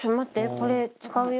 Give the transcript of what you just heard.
これ使うよ。